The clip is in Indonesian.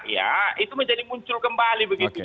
ya itu menjadi muncul kembali begitu ya